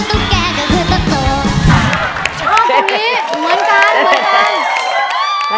ชอบคุณนี้เหมือนกัน